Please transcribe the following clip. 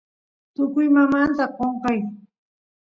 tukuymamnta qonqay